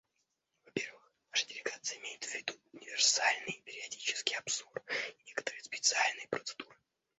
Во-первых, наша делегация имеет в виду универсальный периодический обзор и некоторые специальные процедуры.